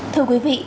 thưa quý vị